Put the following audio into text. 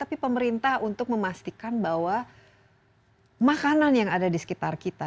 tapi pemerintah untuk memastikan bahwa makanan yang ada di sekitar kita